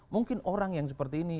mungkin orang yang seperti ini